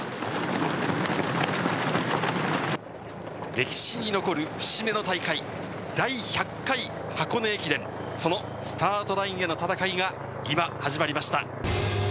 歴史に残る節目の大会、第１００回箱根駅伝、そのスタートラインへの戦いが今、始まりました。